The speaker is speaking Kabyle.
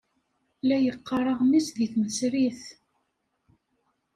La yeqqar aɣmis deg tmesrit.